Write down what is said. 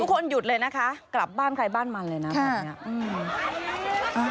ทุกคนหยุดเลยนะคะกลับบ้านใครบ้านมันเลยนะแบบนี้